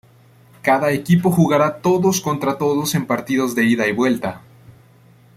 Cada equipo jugara todos contra todos en partidos de ida y vuelta.